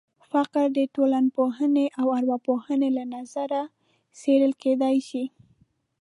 فقر د ټولنپوهنې او ارواپوهنې له نظره څېړل کېدای شي.